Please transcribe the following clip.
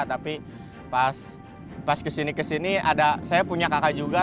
tapi pas kesini kesini saya punya kakak juga